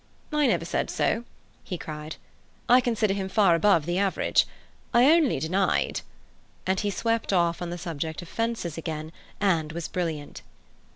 "I never said so!" he cried. "I consider him far above the average. I only denied—" And he swept off on the subject of fences again, and was brilliant.